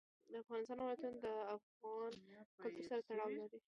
د افغانستان ولايتونه د افغان کلتور سره تړاو لري.